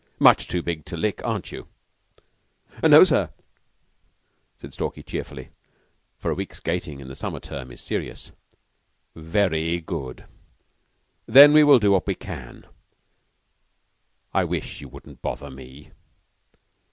Much too big to lick, aren't you?" "Oh, no, sir," said Stalky cheerfully; for a week's gating in the summer term is serious. "Ve ry good. Then we will do what we can. I wish you wouldn't bother me."